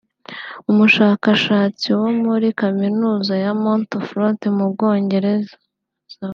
umushakashatsi wo muri kaminuza ya Montfort mu Bwongereza